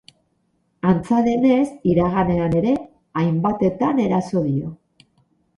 Antza denez, iraganean ere hainbatetan eraso dio.